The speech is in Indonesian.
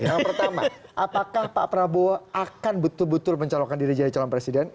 yang pertama apakah pak prabowo akan betul betul mencalonkan diri jadi calon presiden